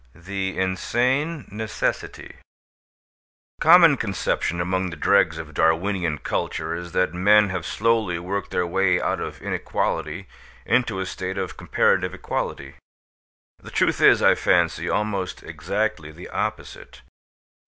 THE INSANE NECESSITY The common conception among the dregs of Darwinian culture is that men have slowly worked their way out of inequality into a state of comparative equality. The truth is, I fancy, almost exactly the opposite.